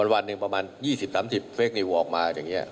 วันหนึ่งประมาณ๒๐๓๐เฟคนิวออกมาอย่างนี้